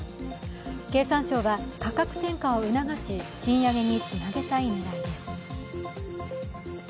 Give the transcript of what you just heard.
経産省は価格転嫁を促し賃上げにつなげたい狙いです。